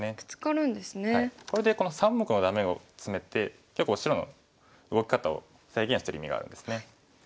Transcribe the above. これでこの３目のダメをツメて白の動き方を制限してる意味があるんですね。